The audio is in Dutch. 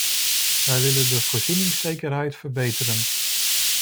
Wij willen de voorzieningszekerheid verbeteren.